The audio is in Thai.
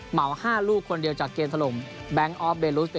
เหมา๕ลูกคนเดียวจากเกมถล่มแบงค์ออฟเบลุส